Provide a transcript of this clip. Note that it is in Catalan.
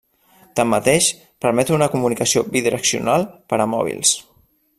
Tanmateix, permet una comunicació bidireccional per a mòbils.